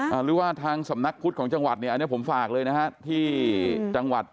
หรือว่าทางสำนักพุทธของจังหวัดเนี่ยอันนี้ผมฝากเลยนะฮะที่จังหวัด